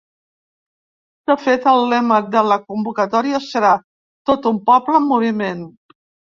De fet, el lema de la convocatòria serà Tot un poble en moviment.